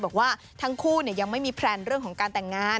บอกว่าทั้งคู่ยังไม่มีแพลนเรื่องของการแต่งงาน